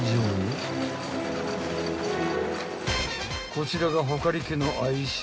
［こちらが穂苅家の愛車］